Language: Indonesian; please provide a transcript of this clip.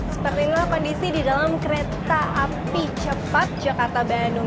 seperti inilah kondisi di dalam kereta api cepat jakarta bandung